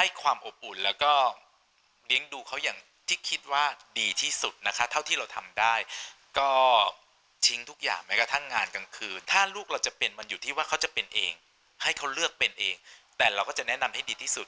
ให้เขาเลือกเป็นเองแต่เราก็จะแนะนำให้ดีที่สุด